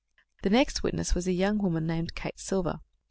The next witness was a young woman named Kate Silver.